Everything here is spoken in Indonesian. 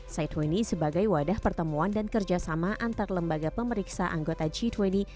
citwini sebagai wadah pertemuan dan kerjasama antar lembaga pemeriksa anggota citwini